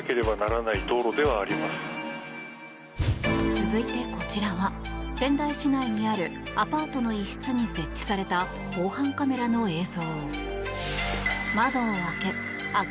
続いて、こちらは仙台市内にあるアパートの一室に設置された防犯カメラの映像。